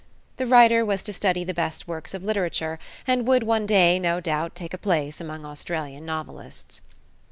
The writer was to study the best works of literature, and would one day, no doubt, take a place among Australian novelists.